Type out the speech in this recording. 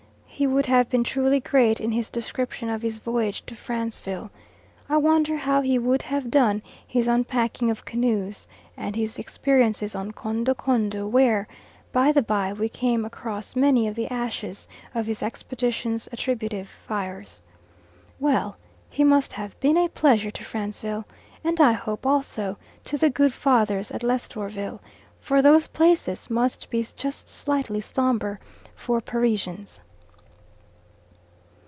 He would have been truly great in his description of his voyage to Franceville. I wonder how he would have "done" his unpacking of canoes and his experiences on Kondo Kondo, where, by the by, we came across many of the ashes of his expedition's attributive fires. Well! he must have been a pleasure to Franceville, and I hope also to the good Fathers at Lestourville, for those places must be just slightly sombre for Parisians.